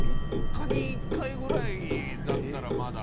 ３日に１回ぐらいだったらまだ。